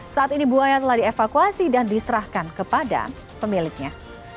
saat ini buaya telah dievakuasi dan diserahkan kepada pemiliknya